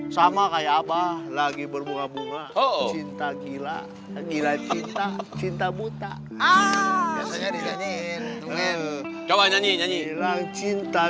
sama kayak apa lagi berbunga bunga oh cinta gila gila cinta cinta buta ah nyanyi nyanyi cinta